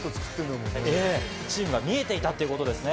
チームが見えていたということですね。